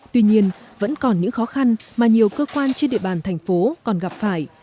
tuy nhiên vẫn còn những khó khăn mà nhiều cơ quan trên địa bàn thành phố còn gặp phải